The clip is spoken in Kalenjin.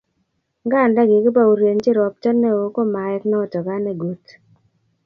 Nganda kikibaurienchi ropta neo ko maek noto kanegut